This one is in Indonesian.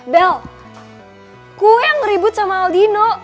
bel gue yang ngeribut sama aldino